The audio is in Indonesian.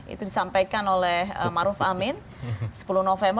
itu disampaikan oleh maruhamin sepuluh november